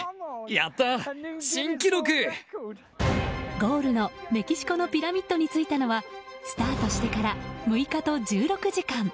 ゴールのメキシコのピラミッドに着いたのはスタートしてから６日と１６時間。